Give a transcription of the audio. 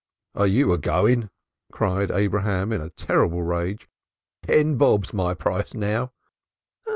"_ "Are you a going?" cried Abraham in a terrible rage. "Ten bob's my price now."